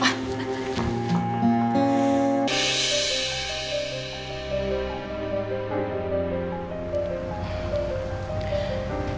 bapak saya mau pergi dulu